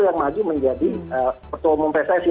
yang maju menjadi ketua umum pssi